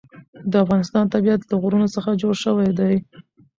د افغانستان طبیعت له غرونه څخه جوړ شوی دی.